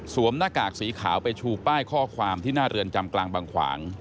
หน้ากากสีขาวไปชูป้ายข้อความที่หน้าเรือนจำกลางบางขวาง